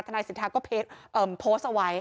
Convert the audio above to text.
นายสิทธาก็โพสต์เอาไว้